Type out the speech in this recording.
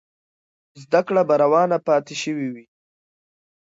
زده کړه به روانه پاتې سوې وي.